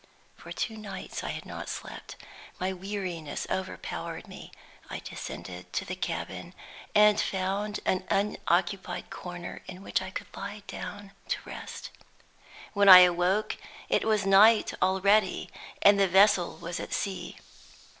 For two nights I had not slept my weariness overpowered me. I descended to the cabin, and found an unoccupied corner in which I could lie down to rest. When I awoke, it was night already, and the vessel was at sea.